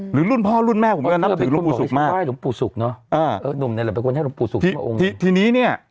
หรือรุ่นพ่อรุ่นแม่ผมก็นับถือลุงปู่ศูกร์มากอ่าเออนุ่มในแหละเป็นคนให้ลุงปู่ศูกร์ที่ที่ทีนี้เนี้ย